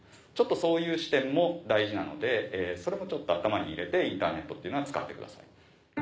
そういう視点も大事なのでそれもちょっと頭に入れてインターネットっていうのは使ってください。